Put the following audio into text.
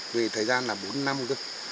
vì thời gian là bốn năm trước